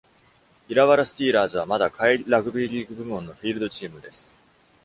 イラワラ・スティーラーズはまだ下位ラグビーリーグ部門のフィールドチームです。